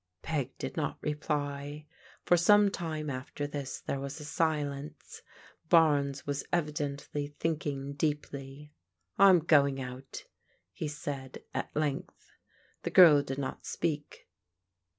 Peg did not reply. For some time after this, there was a silence. Barnes was evidently thinking deeply. " I'm going out," he said at length. • The girl did not speak.